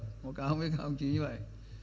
học cáo với các đồng chí như vậy